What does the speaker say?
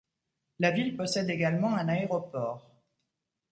La ville possède également un aéroport.